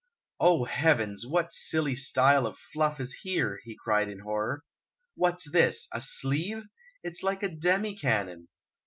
"O heavens! what silly style of stuff is here?" he cried in horror. "What's this? A sleeve? It's like a demi cannon!